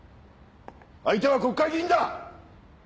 相手は国会議員だ！